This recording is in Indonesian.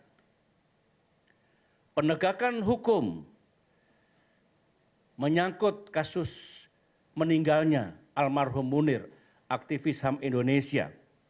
pertama penegakan hukum menyangkut kasus meninggalnya almarhum munir aktivis ham indonesia